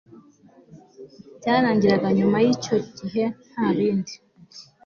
cyarangiraga nyuma y icyo gihe nta bindi